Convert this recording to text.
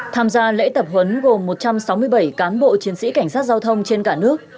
tham gia lễ tập huấn gồm một trăm sáu mươi bảy cán bộ chiến sĩ cảnh sát giao thông trên cả nước